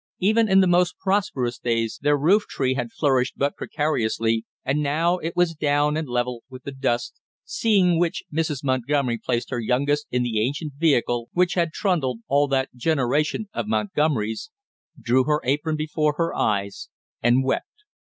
Even in the most prosperous days their roof tree had flourished but precariously and now it was down and level with the dust; seeing which Mrs. Montgomery placed her youngest in the ancient vehicle which had trundled all that generation of Montgomerys, drew her apron before her eyes and wept.